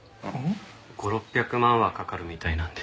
５００６００万はかかるみたいなので。